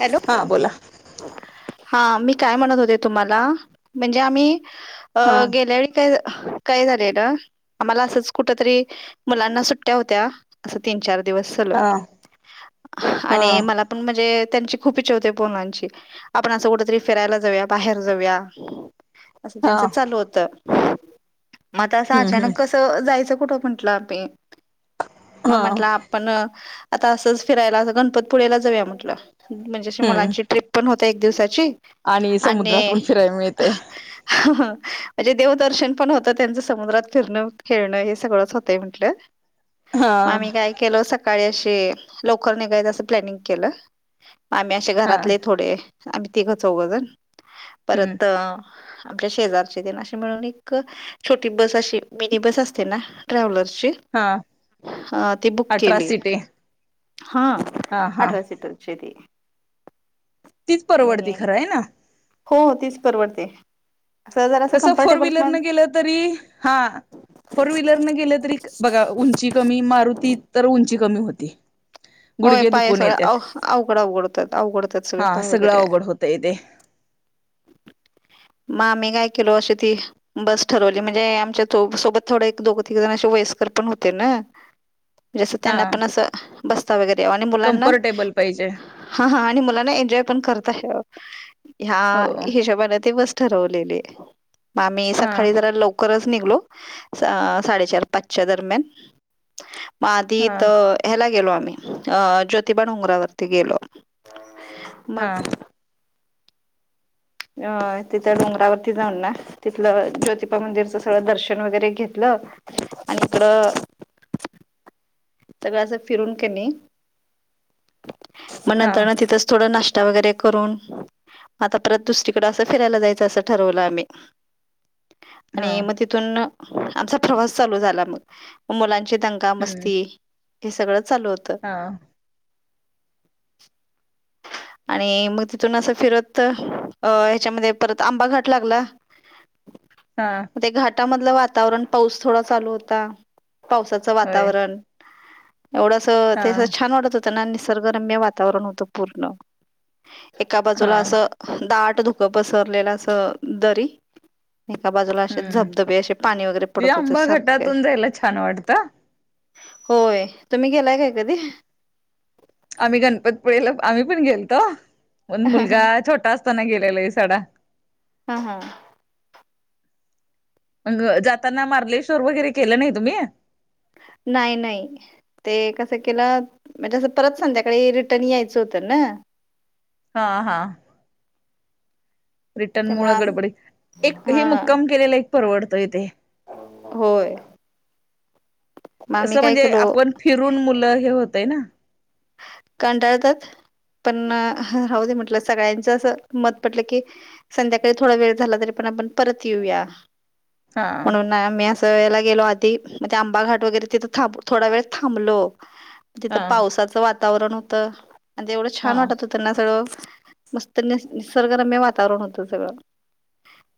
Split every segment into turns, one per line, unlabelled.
Hello!
हा बोला
हा मी काय म्हणत होते तुम्हाला, म्हणजे आम्ही अ
हा
गेल्या त्या काय झालेलं आम्हाला असंच कुठ तरी मुलांना सुट्ट्या होत्या असं तीन चार दिवस
हा
सलग
हा
आणि मला पण म्हणजे त्यांची खूप इच्छा होती पोनांची आपण असं कुठतरी फिरायला जाऊया बाहेर जाऊया असं
हा
त्यांचं चालू होतं मता असं
हम्म हम्म
अचानक कसं जायचं कुठं म्हंटलं आ पी म
हा
म्हटलं आप पण आता असंच फिरायला गणपतपुळेला जाऊया म्हटलं म्हणजेशी
हम्म
मुलांची ट्रिप होता एक दिवसाची
आणि समुद्रातून फिरायला मिळतय.
म्हणजे देवदर्शन पण होतं, त्यांचं समुद्रात फिरणं खेळणं हे सगळंच होतंय म्हटलं.
हा
म आम्ही काय केलं सकाळी अशे लवकर निघायच असं प्लॅनिंग केलं. आम्ही आशे
हा
घरातले थोडे आम्ही तिघ चौघ जण
हम्म
परत अ आपल्या शेजारचे दिन अशे मिळून एक छोटी बस अशी मिनी बस असते ना ट्रॅव्हलरची
हा
हा ती बुक
अठरा
केली.
सीटे
हा
हा हा
अठरा सिटर चीये ती.
तीच परवडती
आणि
खरं आहे ना
हो हो तीच परवडते असं जरासं
कसं फोर
कम्फर्टेबल
व्हीलर
पण
न गेलं तरी हा. फोर व्हीलरने गेलं तरी बघा उंची कमी मारुती तर उंची कमी होती.
होय
गुडघे
पाय
दुखून
स
येतात
अवघ अवघड अवघडतात अवघडतात सगळे पाय वगैरे
त य दे.
म आम्ही काय केलो अशी ती बस ठरवली म्हणजे आमच्या सो सोबत थोडं एक दोघ तीग जण असे वयस्कर पण होते ना. म्हणजें असं
हा
त्यांना पण असं बसता वगैरे यावं आणि मुलांना
कम्फर्टेबल पाहिजे
हा हा आणि मुलांना एन्जॉय पण करता यावा ह्या
हो
हिशोबाण ती बस ठरवलेली म आमी
हा
सकाळी जरां लव करच करच निघलो अ साडेचार पाचच्या दरम्यान म आधी
हा
इथं ह्याला गेलो आम्ही अ ज्योतिबा न उनगरावरती गेलो
हा
मग अ तिथ डोंगरावरती जाऊन ना तिथलं ज्योतिबा मंदिरच सगळं दर्शन वगैरे घेतलं. आणि इकडं सगळं अस फिरून क नाही. मग
हा
नंतर ना तिथ थोड नाष्टा वगैरे करून आता परत दुसरीकडे असं फिरायला जायचं, असं ठरवलं आम्ही
हा
आणि म तिथून आमचा प्रवास चालू झाला म मुलांची दंगा
हम्म
मस्ती हे सगळं चालूत
हा!
[inaudible] आणि मग तिथून असं फिरत अ ह्याच्यामध्ये परत आंबा घाट लागला.
हा
[inaudible] ते घाटामधलं वातावरण पाऊस थोडा चालू होता पावसाचं
होय
वातावरण. एवढंस
हा
तेअस छान वाटत होतं ना निसर्गरम्य वातावरण होतं पूर्ण. एका
हा
बाजूला असं दाट धुकं पसरलेलं अस दरी एका बाजुला असे
हम्म
धबधबे असे पाणी वगैरे पडत होते सारखे
त्याला छान वाटता.
होय तुम्ही गेलाय काय कधी
आम्ही गणपतपुळेला आम्ही पण गेलतो. मण मुलगा छोटा असताना गेलेला आहे सडा
हा हा
मग जाताना मार्लेश्वर वगैरे केलं नाही तुम्ही
नाही नाही ते कसं केलं म्हणजें परत संध्याकाळी रिटर्न यायचं होतं ना.
हा हा रिटर्न मुळ
त्यामुळे आम
गडबडी एक हे
हा
मुक्काम केलेला एक परवडतो ईथे.
होय. मग आम्ही
तसं
काय
म्हणजे
केलो
आपण फिरून मुलं हे होतय ना.
कंटाळतात पण राहुदे म्हटलं सगळ्यांच अस मत म्हटल की संध्याकाळी थोडा वेळ झाला तरी पण आपण परत येऊया.
हा
मी अस याला गेलो आधी आंबा घाट तिथं थांब थोडा वेळ थांबलो. तिथ
हा
पावसाच वातावरण होत आणि ते एवढं
हा
छान वाटत होत ना सगळ. मस्त नि निसर्ग रम्य वातावरण होत सगळं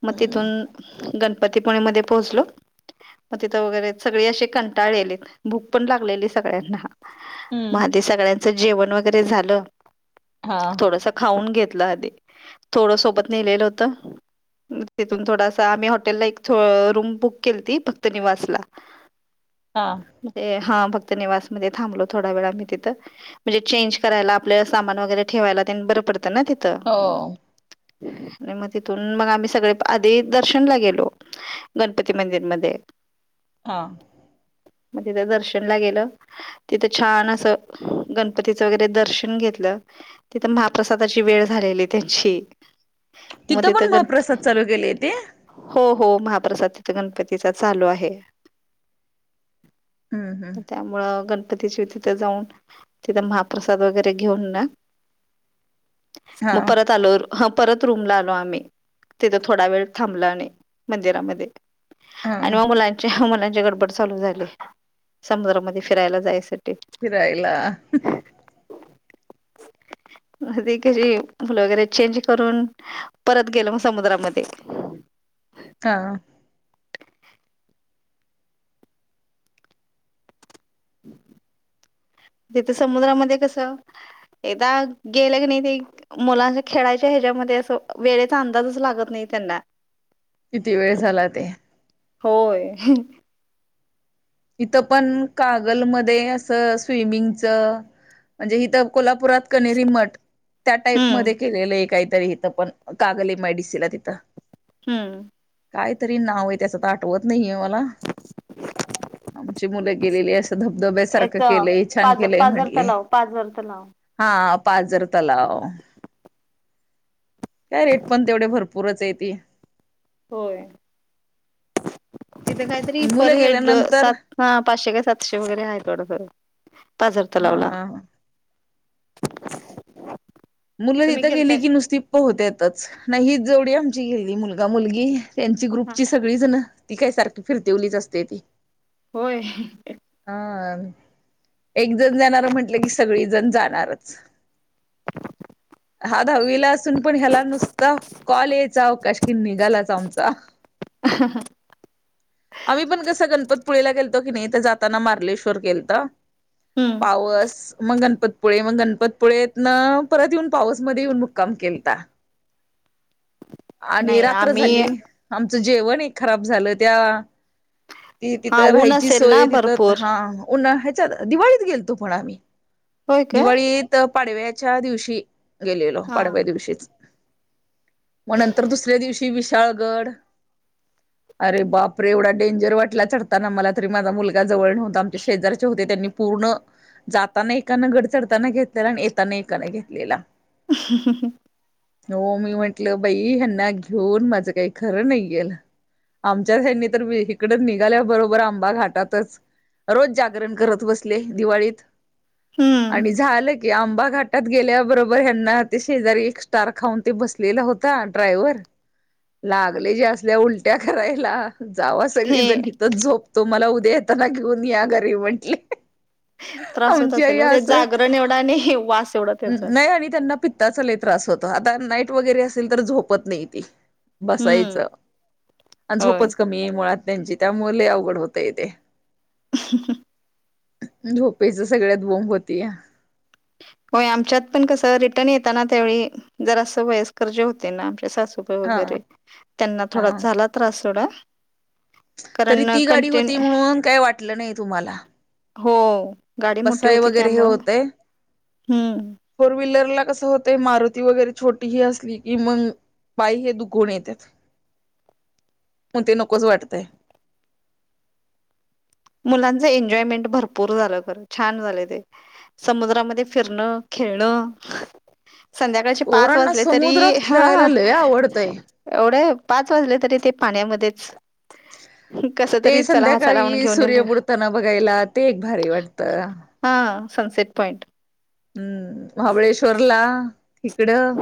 मग
हम्म
तिथून गण पतीपणेमध्येध्ये पोहोचलो. मग तिथं वगैरे सगळी असे कंटाळलेलेत भूक पण लागलेली सगळ्यांना
हम्म
मग सगळ्यांच जेवण वगैरे झालं.
हा
थोडस खाऊन घेतलं आधी थोडं सोबत नेलेलं होत. तिथून थोडासा आम्ही हॉटेल ला एक रूम बुक केली त भक्त निवास ला [inaudible]
हां
म्हणजे हा भक्त निवास मध्ये थांबलो थोडा वेळा मी तिथं म्हणजे चेंज करायला आपल्या सामान वगैरे ठेवायला बर पडत ना तिथं
हो
आणि मग तिथुन मग आम्ही सगळे आधी दर्शनला गेलो. गणपती मंदिरमध्ये.
हा
मग तिथं दर्शनला गेलं तिथं छान असं गणपतीचं वगैरे दर्शन घेतलं तिथं महाप्रसादाची वेळ झालेली त्यांची
तिथं
मध्ये
पण
तग
महाप्रसाद चालू केले ते
हो हो महाप्रसाद तिथ गणपतीचा चालु आहे.
हम् हम्म
त्यामुळं गणपतीची तिथं जाऊन तिथं महाप्रसाद वगैरे घेऊन ना मग
हा
परत आलो परत रूमला आलो आम्ही तिथं थोडा वेळ थांबल आणि मंदिरामध्ये
हा
आणि मग मुला मलांची गडबड चालु झाली समुद्रामध्ये फिरायला जायसाठी.
फिरायला
ह कशी फुल वगैरे चेंज करून परत गेलो मग समुद्रामध्ये.
हा
तिथे समुद्रामध्ये कस एकदा गेल क नाही ते मुलांना खेळायच्या याच्यामध्ये अस वेळेचा अंदाज अस लागत नाही त्यांना.
किती वेळ झाला ते.
होय.
इथंपण कागलमध्ये असं स्विमिंगच म्हणजे हिथ कोल्हापुरात कनेरी मठ. त्या टाईप
हम्म
मध्ये केलेल काहीतरी इथ पण कागल एमआयडीसीला तिथ
हम्म
काय तरी नाव आहे त्याचं तर आठवत नाहीे मला आमची मुलं गेलेली असं
याच
धबधब्यासारखं केलंय छान
पाज
केलंय
पाझर
म्हटलंय
तलाव पाझर तलाव.
हा पाजर तलाव काय रेट पण तेवढे भरपूरच आहे ती
होय तिथे काहीतरी पर
मुलं
हेड
गेल्यानंतर
सात हा पाचशे का सातशे वगैरे आहे थोडस पाजारथ लावला
हा मुलं
तुम्ही
तिथं गेली
गेलताय
की नुसती पोहते येतच नाही ही जवढ आमची गेली मुलगा मुलगी त्यांची
हा
ग्रुपची सगळी जण ती काय सारखी फिरतेवलीच असते ती
होय
हा एकजण जाणार म्हंटलं की सगळीजण जाणारच हा दहावीला असून पण ह्याला नुसता कॉल यायचा अवकाश किन निघालायचा आमचा
ह ह
आम्ही पण कसं गणपतपुळीला गेलतो की नाही तर जाताना मार्लेश्वर गेल तर
हम्म
पावस मग गणपतपुळे मग गणपतपुळेतनं परत येऊन पाऊसमध्ये येऊन मुक्काम केलता. आणि
नाही
रात्र
आम्ही
झाली आमचं जेवण एक खराब झाल त्या ती
हा
तिथं
ऊन
राहायची
असेल ना
सोय तिथं
भरपूर
हा ह्याच्यात दिवाळीत गेलतो पण आम्ही
होय काय
दिवाळीत पाडव्याच्या दिवशी गेलेलो
हा.
पाडव्या दिवशीच मग नंतर दुसऱ्या दिवशी विशाळगड
ह
अरे बापरे एवढा डेंजर वाटला चढताना मला तरी माझा मुलगा जवळ नव्हता आमच्या शेजारच्याचे होते त्यांनी पूर्ण जाताना एकाना घड चडताना घेतलेला आणि येताना एकाने घेतलेला
ह
हो मी म्हटलं बाई ह्यांना घेऊन माझं काही खरं नाही गेलं आमच्या साईडनी तर इकडच निघाल्या बरोबर आंबा घाटातच रोज जागरण करत बसले दिवाळीत
हम्म
आणि झालं की आंबा घाटात गेल्याबरोबर ह्यांना ते शेजारी एक स्टार खाऊन ते बसलेला होता ड्रायव्हर लागले जे असल्या उलट्या करायला जावा
ते
सगळेजण हथच झोपतो मला उद्या येताना घेऊन या घरी म्हटले
त्रास होत असेल मग ते जागरण एवढा आणि वा
नाही आणि त्यांना पित्ताचा त्रास होत आता नाईट वगैरे असेल तर झोपत नाही ती
हम्म
बसायचं आणि
होय.
झोपच कमी आहे मुळात त्यांची त्यामुळे अवघड होतय तेे
ह
झोपेचा सगळ्यात बोंब होते या
हो आमच्यात पण कसं रिटर्न येताना त्यावेळी जर असं वयस् कर्जे होते ना आमच्या सासू
हा
वरे त्यांना थोडा
हा
झाला तास होड
तरी ती गाडी होती म्हणून काय वाटलं नाही तुम्हाला
हो गाडी मोठी
बसाय
होती
वगैरे हे
त्यामुळं
होतय
हम्म
फोर व्हीलरला कसं होतंय मारुती वगैरे छोटी ही असली की मग बाई हे दुखून येतात मण ते नकोच वाटतय
मुलांचं एन्जॉयमेंट भरपूर झालं खरं छान झालं ते समुद्रामध्ये फिरणं खेळणं संध्याकाळचे पाच
पोरांना
वाजले तरी
समुद्रात खेळायला
ह
लय आवडतंय
एवढे पाच वाजले तरी ते पाण्यामध्येच कस
ते
तरी चला ह चला म्हण.
संध्याकाळी सूर्य बुडताना बघायला ते एक भारी वाटत.
हा सनसेट पॉईंट.
हम्म महाबळेश्वरला इिकडं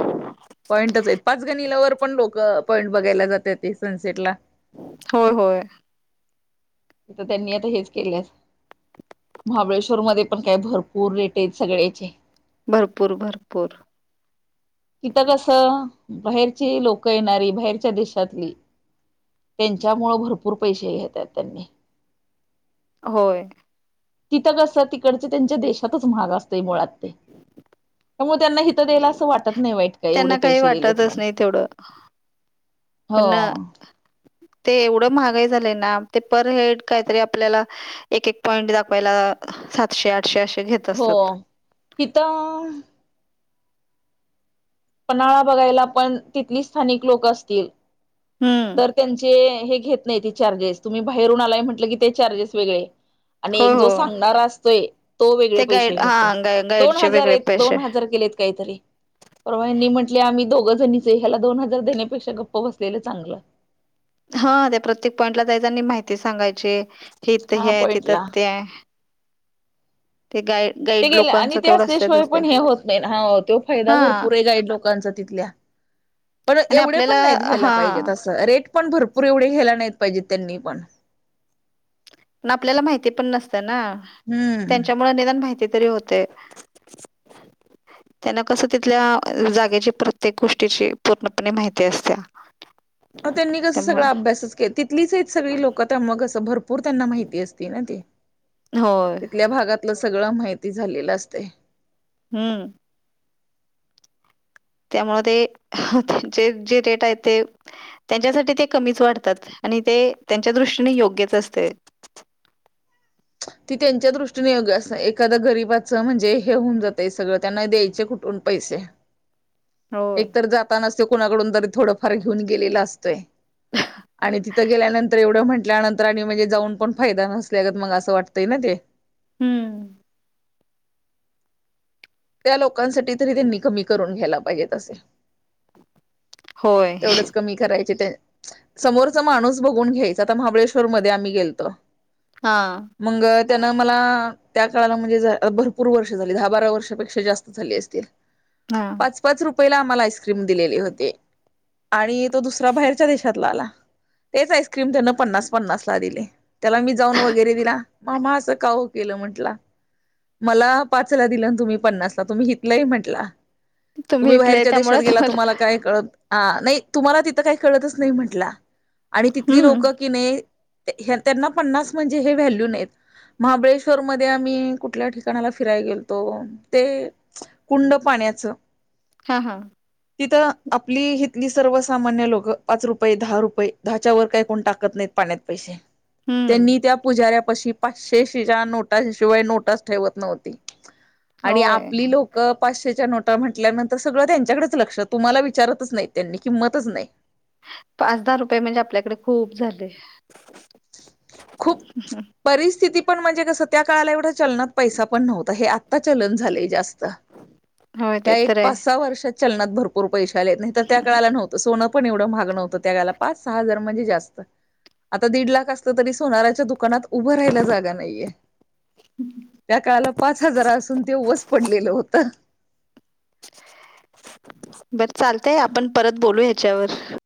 पॉइंटच आहेत पाच गणी लवर. पण लोक पॉईंट बघायला जातात ते सनसेट ला.
होय होय.
तर त्यांनी आता हेच केलेस. महाबळेश्वर मध्ये पण काय भरपूर रेट आहेत सगळ्याचे.
भरपूर भरपूर.
किथं कस बाहेरची लोक येणारी बाहेरच्या देशातली. त्यांच्यामु भरपूर पैसे घेतात त्यांनी.
होय.
तिथं कसं तिकडच त्यांच्या देशातच महाग असतय मुळात ते. तर मग त्यांना हित द्यायला असं वाटत नाही वाईट. काय एवढे
त्यांना काही
पैसे दिलेत
वाटतच
मला
नाही तेवढं पण.
हो
ते एवढं महागाई झालंय ना ते पर हेड काहीतरी आपल्याला. एक एक पॉइंट दाखवायला सातशे आठशे असे घेत.
हो
असतात.
तिथं पन्हाळा बघायला पण तिथली स्थानिक लोक असतील.
हं.
तर त्यांचे हे घेत नाही ते चार्जेस तुम्ही बाहेरून आलाय म्हटलं की ते चार्जेस वेगळे आणि
होय,
एक जो
हो.
सांगणारा असतोय तो वेगळे
ते
पैसे
गाईड
घेतो
हां, गाई
दोन
गाईडचे
हजार
वेगळे
आहेत
पैसे.
दोन हजार केलेत काहीतरी परवा यांनीनी म्हटले आम्ही दोघं जणीचे ह्याला दोन हजार देण्यापेक्षा गप्प बसलेलं चांगलं.
हा त्या प्रत्येक पॉईंटला जायचनी माहिती सांगायची हे इथं हे
हा
आहे तिथं
पॉईंटला
ते आहे. ते गा
ते गेले आणि ते असल्याशिवाय पण हे होत नाही हा तो फायदा
हां
भरपूर आहे गाईड लोकांचा पण
आणि
एव
आपल्याला
पण नाही्या
हां.
पाजे पण भरपूर एवढे घ्यायला नाहीत पाहिजेत त्यांनी पण.
प आपल्याला माहिती पण नसते ना
हम्म
त्यांच्यामुळे अदान माहिती तरी होत. ते. त्यांना कसं तिथल्या जागेची प्रत्येक गोष्टीची पूर्णपणे माहिती असत. [inaudible]
त्यांनी कसं सगळा अभ्यासच के. तच सग लोक म अस भरपूर त्यांना माहिती अस ते
होय
तथल्या भाग लं सगळं माहिती झालेलं असते.
हम्म. त्यामुळे ते जे रेट आहे ते. त्यांच्यासाठी ते कमीच वाढतात आणि ते त्यांच्या दृष्टीने योग्यच असते.
ती त्यांच्या दृष्टीने एख्या गरीिबाचं म्हणजे हे होऊन जातय सगळं त्यांना द्यायचे कुठ दोन पैसे
[unintelligible] होय
एकतर जाता नसते कुणाकडून तरी थोडंफार घेऊन गेलेला असतोय. आणि तिथं गेल्यानंतर एवढं म्हटल्यानंतर आणि म्हणजे जाऊन पण फायदा नसल्या ग मग असं वाटत. हो ते ना दे.
हम्म.
त्या लोकांसाठी तरी त्यांनी कमी करून घ्यायला पाहिजेत असे.
होय
तेवढंच कमी करायचे ते. समोरचा माणूस बघून घ्यायच आता महाबळेश्वर मध्ये आम्ही गेलतो.
हा
मग त्यान मला त्या काळाला म्हणजे भरपूर वर्ष झाली दहा बारा वर्षापेक्षा. जास्त झाली असतील.
हा.
पाच पाच रुपयाला आम्हाला आईस्क्रीम दिलेली होते. आणि तो दुसरा बाहेरच्या देशातला आला तेच आईस्क्रीम त्यान पन्नास पन्नास ला दिले त्याला मी जाऊन वगैरे दिला मामा असं का हो केलं म्हंटलं मला पाचला दिलं ना तुम्ही पन्नासला तुम्ही हितलंही म्हंटला तुम्ही
इथले आहे
बाहेरच्या देशात
त्यामुळे
गेला तुम्हाला काय कळत ह नाही तुम्हाला तिथं काही कळतच नाही म्हंटला आणि तिथली
हम्म
लोक कि नाही त्यांना पन्नास म्हणजे हे व्हॅल्यू नाही महाबळेश्वर मध्ये आम्ही कुठल्या ठिकाणाला फिरायला गेलतो ते कुंड पाण्याचं
हा हा
तिथं आपली ही तली सर्व सामान्य लोक पाच रुपये दहा रुपये दहाच्या वर काही कोण टाकत नाहीत पाण्यात पैसे
हम्म
त्यांनी त्या पुजाऱ्यापाशी पाचशेेच्या नोटाशिवाय नोटस ठेवत नव्हती आणि
होय
आपली लोक पाचशेच्या नोटा म्हटल्यानंतर सगळं त्यांच्याकडेच लक्ष तुम्हाला विचारतच नाही त्यांनी किंमतच नाही
पाच दहा रुपये म्हणजे आपल्याकडे खूप झाले
खूप
ह
परिस्थिती पण म्हणजे कसं त्या काळाला एवढ्या चलनात पैसा पण नव्हता हे आत्ता चलन झालेय जास्त.
होय
ह
ते
एक
तर आहे
पाच सहा वर्षात चलनात भरपूर पैश आले नाही तर त्या काळाला नव्हत. सोनं पण एवढं मागणं होतं त्या गाला पाच सहा हजार म्हणजे जास्त आता दीड लाख असलं तरी सोनाार्याच्या दुकानात उभं राहिला जागा नाहीये. त्या काळाला पाच हजार असून ते वस पडलेलं होतं.
बर चालतंय आपण परत बोलू ह्याच्यावर